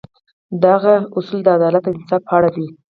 د هغه اصول د عدالت او انصاف په اړه دي.